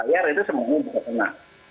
itu semuanya bisa ternyata